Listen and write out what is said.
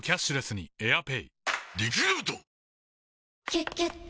「キュキュット」